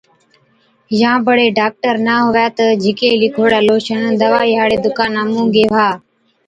يان بڙي ڊاڪٽرا نہ هُوَي تہ جھِڪي لِکوڙَي لوشن دوائِي هاڙي دُڪانا مُون گيهوا،